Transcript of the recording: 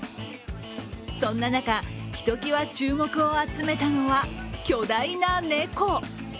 そんな中、ひときわ注目を集めたのは、巨大な猫。